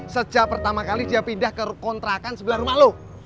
sejak pertama kali dia pindah ke kontrakan sebelah rumah lo